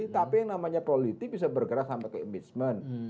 tapi yang namanya politik bisa bergerak sampai ke immitment